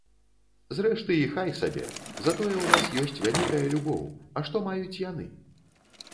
Зрэшты, і хай сабе, затое ў нас ёсць вялікая любоў, а што маюць яны?